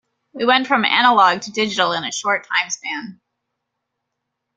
We went from analogue to digital in a short timespan.